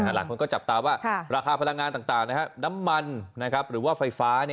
หลายคนก็จับตาว่าราคาพลังงานต่างน้ำมันหรือว่าไฟฟ้า